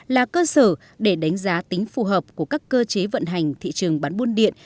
là cơ sở để đánh giá tính phù hợp của các cơ chế vận hành thị trường bán buôn điện